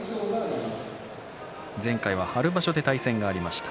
前回は春場所で対戦がありました。